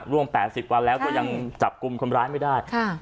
ร่วม๘๐วันแล้วก็ยังจับกลุ่มคนร้ายไม่ได้